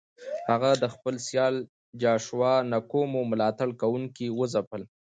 هغه د خپل سیال جاشوا نکومو ملاتړ کوونکي وځپل.